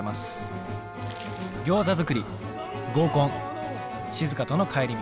ギョーザ作り合コンしずかとの帰り道。